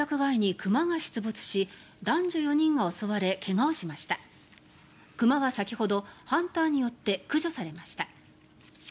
熊は先ほどハンターによって駆除されました。